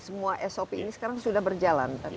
semua sop ini sekarang sudah berjalan